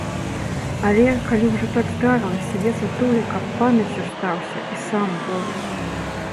Але, калі ўжо так здарылася, я за тое, каб памяццю стаўся і сам боль.